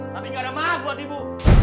tapi gak ada manfaat buat ibu